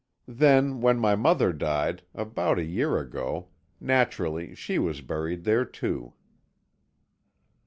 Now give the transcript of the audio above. Then, when my mother died, about a year ago, naturally she was buried there, too."